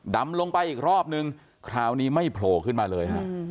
ดำลงไปอีกรอบนึงคราวนี้ไม่โผล่ขึ้นมาเลยฮะ